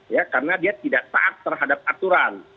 ya karena dia tidak taat terhadap aturan